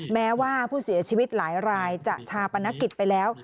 แม้ว่าผู้เสียชีวิตหลายรายจะชาปนกิจไปแล้ว